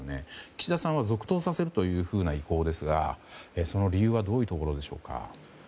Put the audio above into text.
岸田さんは続投させるという意向ですがその理由はどういうところでしょうか。